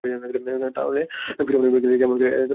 তাহলে ফিরআউনী ব্যক্তিটি কেমন করে এ তথ্য প্রকাশ করতে পারে?